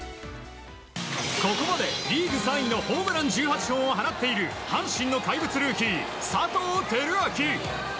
ここまでリーグ３位のホームラン１８号を放っている阪神の怪物ルーキー、佐藤輝明。